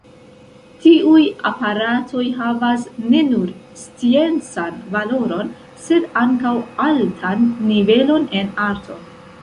Tiuj aparatoj havas ne nur sciencan valoron, sed ankaŭ altan nivelon en arto.